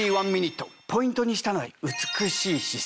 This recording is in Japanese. ポイントにしたのは美しい姿勢。